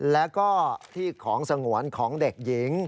แล้วก็ที่ของสงวนของเด็กหญิง